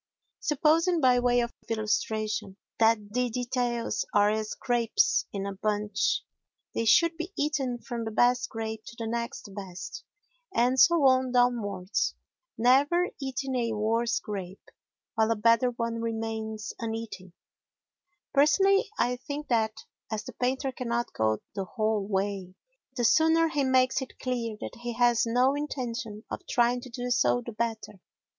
Supposing, by way of illustration, that the details are as grapes in a bunch, they should be eaten from the best grape to the next best, and so on downwards, never eating a worse grape while a better one remains uneaten. Personally, I think that, as the painter cannot go the whole way, the sooner he makes it clear that he has no intention of trying to do so the better.